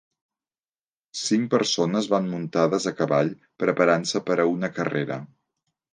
Cinc persones van muntades a cavall preparant-se per a una carrera